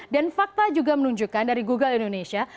dan fakta juga menunjukkan dari google indonesia